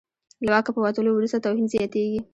له واکه په وتلو وروسته توهین زیاتېږي.